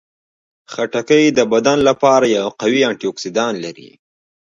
خټکی د بدن لپاره یو قوي انټياکسیدان لري.